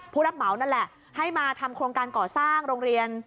ผู้รับเหมานั่นแหละให้มาทำโครงการก่อสร้างโรงเรียน